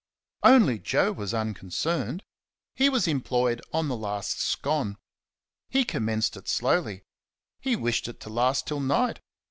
Only Joe was unconcerned. He was employed on the last scone. He commenced it slowly. He wished it to last till night.